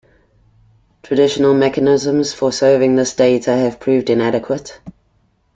Traditional mechanisms for serving this data have proved inadequate.